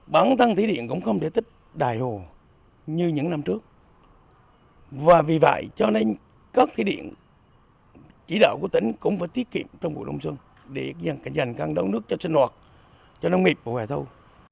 bản thân thủy điện cũng không thể tích đài hồ như những năm trước và vì vậy cho nên các thủy điện chỉ đạo của tỉnh cũng phải tiết kiệm trong vụ đông xuân để dành càng đón nước cho sinh hoạt cho đồng nghiệp và hỏa thu